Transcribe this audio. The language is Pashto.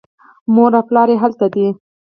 مور او پلار یې هلته دي.